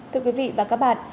thưa quý vị và các bạn